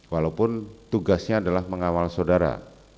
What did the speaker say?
walaupun tugasnya adalah mengawal saudara